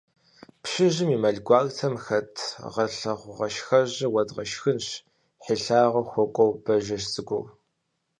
– Пщыжьым и мэл гуартэм хэт гъэлъэхъугъашхэжьыр уэдгъэшхынщ! – хьилагъэ хуокӀуэ Бажэжь цӀыкӀур.